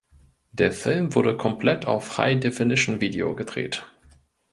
Der Film wurde komplett auf High Definition Video gedreht.